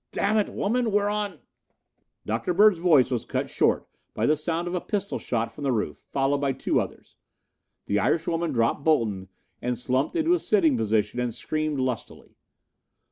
"Damn it, woman, we're on "Dr. Bird's voice was cut short by the sound of a pistol shot from the roof, followed by two others. The Irishwoman dropped Bolton and slumped into a sitting position and screamed lustily.